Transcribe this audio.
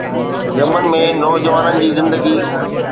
Yemen ۾ نوجوانن جي زندگي